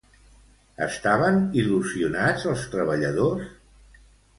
Estaven il·lusionats els treballadors?